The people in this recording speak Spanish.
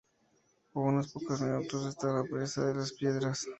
A unos pocos minutos está la presa de Las Piedras.